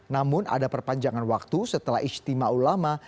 namun ada perpanjangan waktu setelah istimewa ulama